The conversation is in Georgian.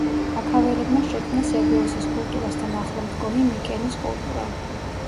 აქაველებმა შექმნეს ეგეოსის კულტურასთან ახლო მდგომი მიკენის კულტურა.